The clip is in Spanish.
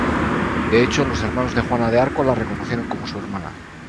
De hecho los hermanos de Juana de Arco la reconocieron como su hermana.